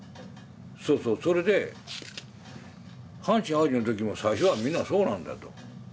そうそうそれで阪神・淡路の時も最初は皆そうなんだと。